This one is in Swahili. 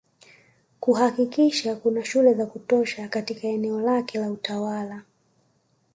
Kuhakikisha kuna shule za kutosha katika eneo lake la utawala